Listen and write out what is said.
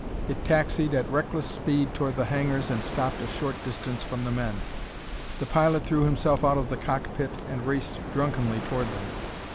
It taxied at reckless speed toward the hangars and stopped a short distance from the men. The pilot threw himself out of the cockpit and raced drunkenly toward them.